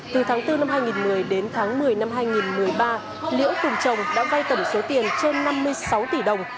từ tháng bốn năm hai nghìn một mươi đến tháng một mươi năm hai nghìn một mươi ba liễu cùng chồng đã vay tổng số tiền trên năm mươi sáu tỷ đồng